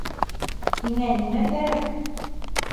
Һиңә нимә кәрәк?